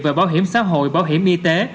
về bảo hiểm xã hội bảo hiểm y tế